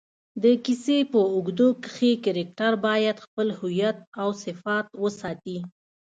د کیسې په اوږدو کښي کرکټرباید خپل هویت اوصفات وساتي.